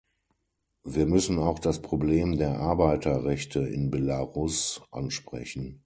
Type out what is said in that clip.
Wir müssen auch das Problem der Arbeiterrechte in Belarus ansprechen.